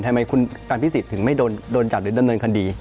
ทำไมคุณอภิษฎถึงไม่โดนจับหรือดำเนินคดี